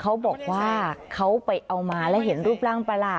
ดูดีกว่าเธอจะถึงดูแลดังไง